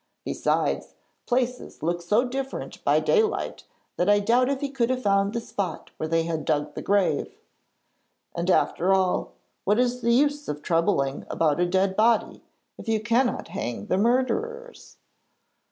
Besides, places look so different by daylight that I doubt if he could have found the spot where they had dug the grave. And after all, what is the use of troubling about a dead body, if you cannot hang the murderers?'